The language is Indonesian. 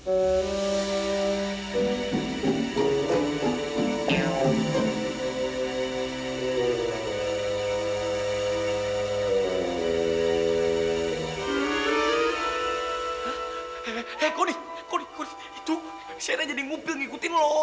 eh eh eh kody kody kody itu shaina jadi ngumpil ngikutin lo